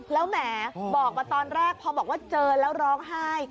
แล้วแหมบอกมาตอนแรกพอบอกว่าเจอแล้วร้องไห้